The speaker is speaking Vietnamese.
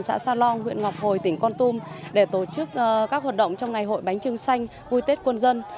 xã sa long huyện ngọc hồi tỉnh con tum để tổ chức các hoạt động trong ngày hội bánh trưng xanh vui tết quân dân